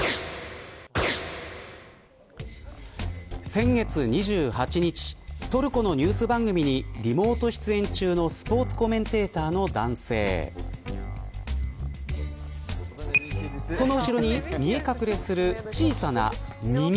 先月２８日トルコのニュース番組にリモート出演中のスポーツコメンテーターの男性その後ろに見え隠れする小さな耳。